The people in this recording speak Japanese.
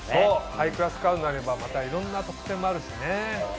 ハイクラスカードになればまたいろんな特典もあるしね。